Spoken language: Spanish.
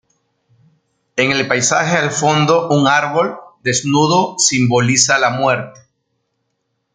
En el paisaje al fondo un árbol desnudo simboliza la muerte.